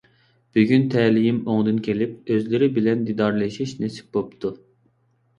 بۈگۈن تەلىيىم ئوڭدىن كېلىپ ئۆزلىرى بىلەن دىدارلىشىش نېسىپ بوپتۇ!